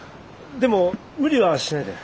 でも無理はしないでね。